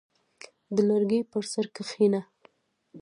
• د لرګي پر سر کښېنه.